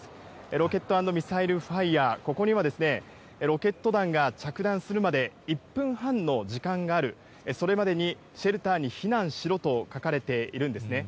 ロケットアンドミサイルファイヤー、ここには、ロケット弾が着弾するまで１分半の時間がある、それまでにシェルターに避難しろと書かれているんですね。